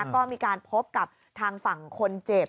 ก็มีการพบกับทางฝั่งคนเจ็บ